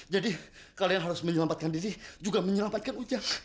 jadi kalian harus menyelamatkan diri juga menyelamatkan ujang